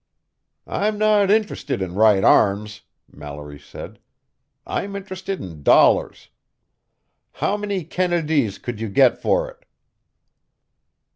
"I'm not interested in right arms," Mallory said. "I'm interested in dollars. How many Kennedees could you get for it?"